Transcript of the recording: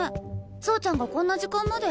走ちゃんがこんな時間まで。